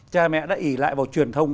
cha mẹ đã ý lại vào truyền thông